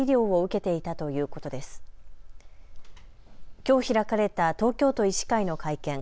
きょう開かれた東京都医師会の会見。